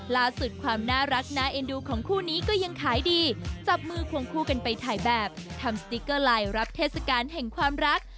ล่าสุดความน่ารักน่าเอ็นดูของคู่นี้ก็ยังขายดีจับมือควงคู่กันไปถ่ายแบบทำสติ๊กเกอร์ไลน์รับเทศกาลแห่งความรัก